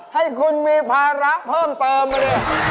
ให้คุณมีภาระเพิ่มเหรอ